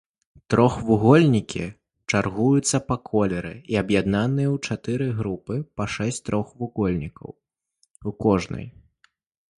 Трохвугольнікі чаргуюцца па колеры і аб'яднаныя ў чатыры групы па шэсць трохвугольнікаў у кожнай.